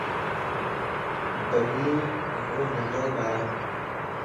ببلو ھڪڙو ننڍو ٻار